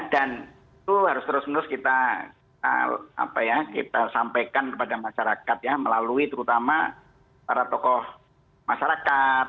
dan itu harus terus terus kita sampaikan kepada masyarakat ya melalui terutama para tokoh masyarakat